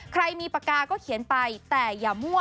ใครมีปากกาก็เขียนไปแต่อย่ามั่ว